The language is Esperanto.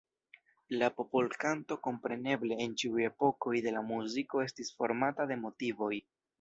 La popolkanto kompreneble en ĉiuj epokoj de la muziko estis formata de motivoj.